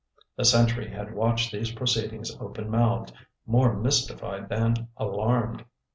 The sentry had watched these proceedings open mouthed, more mystified than alarmed.